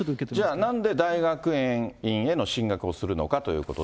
じゃあなんで大学院への進学をするのかということで。